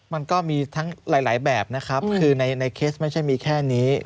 มันก็มีหลายแบบในเคสไม่ใช่มีแค่นี้